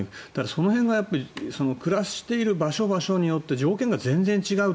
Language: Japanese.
その辺が暮らしている場所、場所によって条件が全然違う。